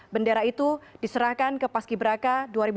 bendera itu diserahkan ke paski beraka dua ribu delapan belas